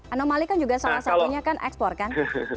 anomali kan juga salah satunya kan ekspor kan